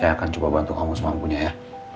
saya akan coba bantu kamu semampunya ya